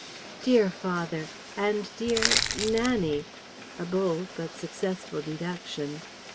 "Dear father! And dear ... Nannie! (A bold but successful deduction).